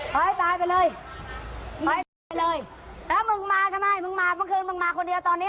ไห้ตายไปเลยเลยแล้วมึงมาทำไมมึงมาเมื่อคืนมึงมาคนเดียวตอนนี้